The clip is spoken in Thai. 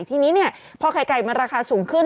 ทีนี้พอไข่ไก่มันราคาสูงขึ้น